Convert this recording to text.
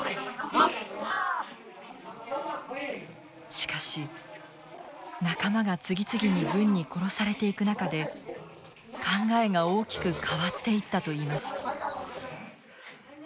しかし仲間が次々に軍に殺されていく中で考えが大きく変わっていったといいます。